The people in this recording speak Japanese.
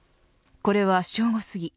これは正午すぎ